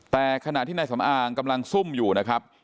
แต่ขณะที่นายสำอางกำลังซุ่มอยู่นะครับ